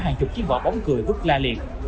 hàng chục chiếc vỏ bóng cười vứt la liệt